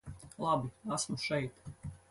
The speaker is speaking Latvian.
Labi, esmu šeit.